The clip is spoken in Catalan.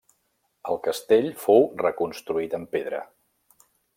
El castell fou reconstruït en pedra.